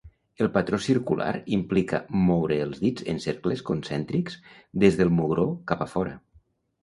El patró circular implica moure els dits en cercles concèntrics des del mugró cap a fora.